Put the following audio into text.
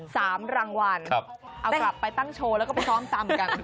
ทองแดง๓รางวัลเอากลับไปตั้งโชว์แล้วก็ไปซ้อมซ่ำกัน